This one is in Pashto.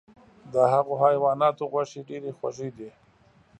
د هغو حیواناتو غوښې ډیرې خوږې دي .